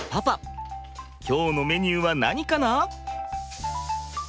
今日のメニューは何かな？